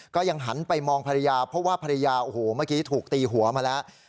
ก็ยังหันไปมองภรรยาเพราะว่าภรรยาโอ้โหเมื่อกี้ถูกตีหัวมาแล้ว